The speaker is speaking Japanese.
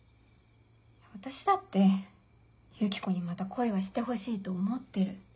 私だってユキコにまた恋はしてほしいと思ってる。